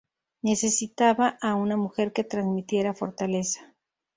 Necesitaba a una mujer que transmitiera fortaleza.